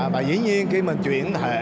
và dĩ nhiên khi mà chuyển thể